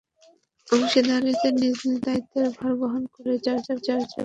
অংশীদারেরা নিজ নিজ দায়িত্বের ভার বহন করেই যাঁর যাঁর কাজটি করে থাকেন।